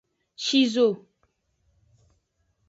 Shizo.